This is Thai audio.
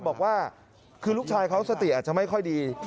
บอกว่าคือลูกชายเขาสติอาจจะไม่ค่อยดี